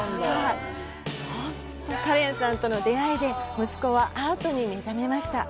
カレンさんとの出会いで息子はアートに目覚めました。